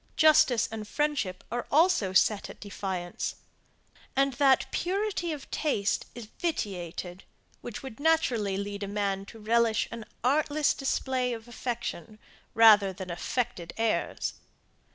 Justice and friendship are also set at defiance, and that purity of taste is vitiated, which would naturally lead a man to relish an artless display of affection, rather than affected airs.